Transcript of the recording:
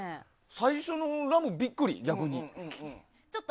最初のラムがビックリ、逆に。